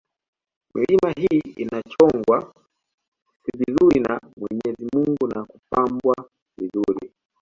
Milima hii imechongwa vizuri na mwenyezi Mungu na kupanbwa vizuri